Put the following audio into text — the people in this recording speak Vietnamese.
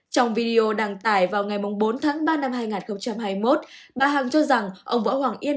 trong video đăng tải vào ngày bốn tháng ba năm hai nghìn hai mươi một bà hằng cho rằng ông võ hoàng yên